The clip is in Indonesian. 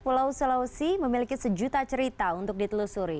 pulau sulawesi memiliki sejuta cerita untuk ditelusuri